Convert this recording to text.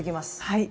はい。